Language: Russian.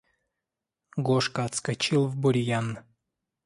Гошка отскочил в бурьян.